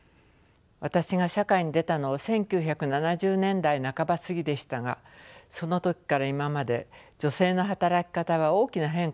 私が社会に出たのは１９７０年代半ば過ぎでしたがその時から今まで女性の働き方は大きな変化を遂げています。